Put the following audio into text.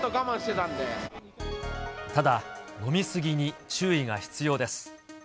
ただ、飲み過ぎに注意が必要です。